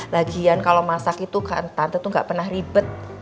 lagian kalau masak itu kan tante tuh gak pernah ribet